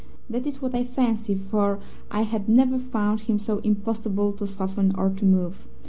That is what I fancy, for I had never found him so impossible to soften or to move.